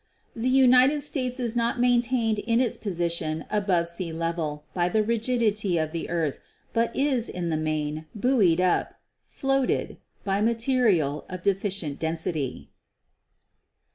"The United States is not maintained in its position above sea level by the rigidity of the earth, but is, in the main, buoyed up, floated, by ma terial of deficient density."